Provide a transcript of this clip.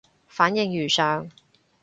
反應如上